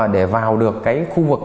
để vào được khu vực